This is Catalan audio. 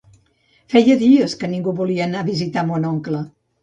Feia dies que ningú volia anar a visitar mon oncle